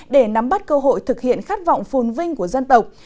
để nắm bắt cơ hội thực hiện khát vọng phồn vinh của dân tộc